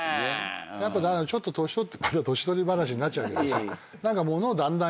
やっぱちょっと年取ってまた年取り話になっちゃうけどさ。